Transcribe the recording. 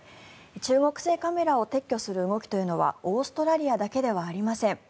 中国製カメラを撤去する動きというのはオーストラリアだけではありません。